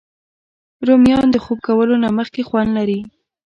رومیان د خوب کولو نه مخکې خوند لري